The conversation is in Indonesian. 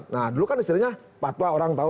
nah dulu kan istrinya pak tua orang tahu